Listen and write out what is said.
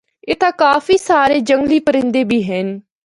اِتھا کافی سارے جنگلی پرندے بھی ہن۔